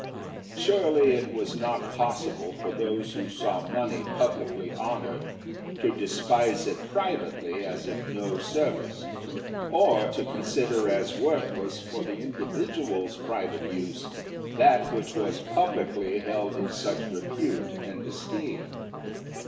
Surely it was not possible for those who saw money publicly honoured, to despise it privately as of no service; or to consider as worthless for the indi vidual's private use that which was publicly held in such repute and esteem.